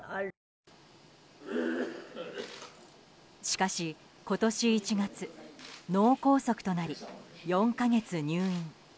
しかし今年１月脳梗塞となり４か月入院。